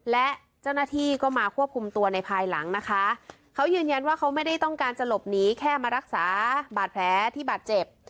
และเจ้าหน้าที่ก็มาควบคุมตัวในภายหลังนะคะเขายืนยันว่าเขาไม่ได้ต้องการจะหลบหนีแค่มารักษาบาดแผลที่บาดเจ็บ